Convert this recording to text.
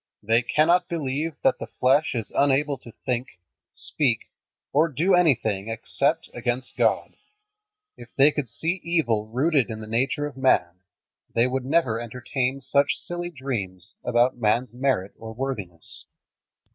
They cannot believe that the flesh is unable to think, speak, or do anything except against God. If they could see evil rooted in the nature of man, they would never entertain such silly dreams about man's merit or worthiness.